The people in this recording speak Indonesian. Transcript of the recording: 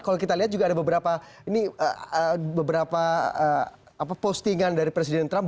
kalau kita lihat juga ada beberapa ini beberapa postingan dari presiden trump